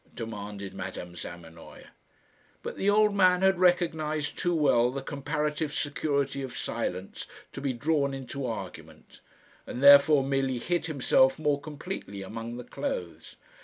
demanded Madame Zamenoy. But the old man had recognised too well the comparative security of silence to be drawn into argument, and therefore merely hid himself more completely among the clothes.